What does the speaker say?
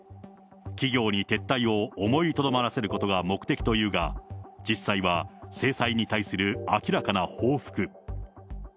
企業に撤退を思いとどまらせることが目的というが、実際は制裁に対する明らかな報復。